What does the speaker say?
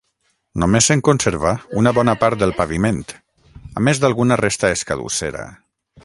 Només se'n conserva una bona part del paviment, a més d'alguna resta escadussera.